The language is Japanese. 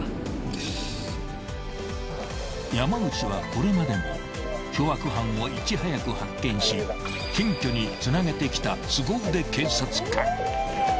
［山内はこれまでも凶悪犯をいち早く発見し検挙につなげてきた］